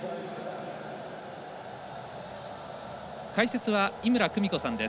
解説は井村久美子さんです。